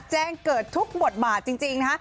แจ้งเกิดทุกบทบาทจริงนะฮะ